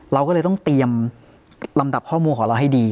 เราก็เลยต้องเตรียมลำดับข้อมูลของเราให้ดี